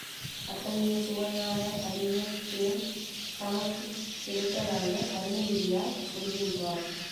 அத்தகைய சுவையான அரிய தேன் தமக்குக் கிடைத்ததாக அருணகிரியார் சொல்கின்றார்.